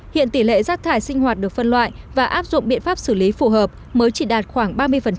hiện tỷ lệ rác thải sinh hoạt được phân loại và áp dụng biện pháp xử lý phù hợp mới chỉ đạt khoảng ba mươi